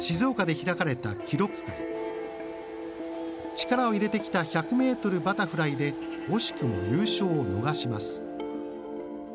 力を入れてきた１００ｍバタフライで惜しくも優勝を逃します。